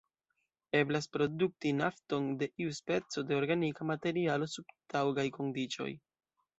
Eblas produkti nafton de iu speco de organika materialo sub taŭgaj kondiĉoj.